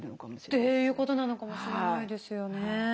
っていうことなのかもしれないですよね。